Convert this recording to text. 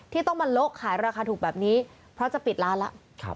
ที่ต้องมาโละขายราคาถูกแบบนี้เพราะจะปิดร้านแล้ว